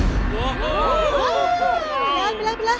โอ้โหไปแล้วไปแล้ว